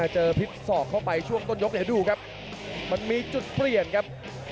เจอพิษศอกเข้าไปช่วงต้นยกเดี๋ยวดูครับมันมีจุดเปลี่ยนครับ